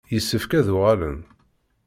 Yessefk ad d-uɣalen.